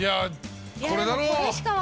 これだろう！